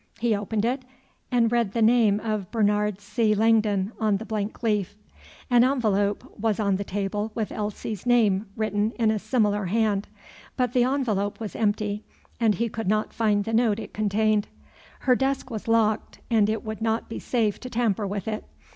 He opened it and read the name of Bernard C. Langdon on the blank leaf. An envelope was on the table with Elsie's name written in a similar hand; but the envelope was empty, and he could not find the note it contained. Her desk was locked, and it would not be safe to tamper with it.